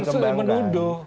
siapa yang sudah menuduh